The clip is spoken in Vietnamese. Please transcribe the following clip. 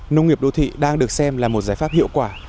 nông nghiệp đô thị đang được xem là một giải pháp hiệu quả